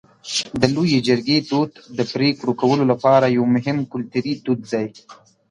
د لویې جرګې دود د پرېکړو کولو لپاره یو مهم کلتوري دود دی.